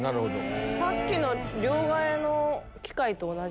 さっきの両替の機械と同じ？